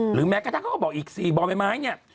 หรือแม้กระทะก็บอกอีก๔บอลไม่ไม้เนี่ย